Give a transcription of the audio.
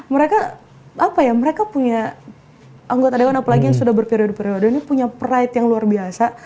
mereka apa ya mereka punya anggota dewan apalagi yang sudah berkerudu periode ini punya pride yang luar biasa